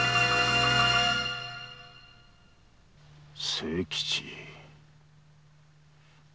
清吉？